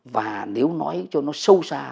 và nếu nói cho nó sâu xa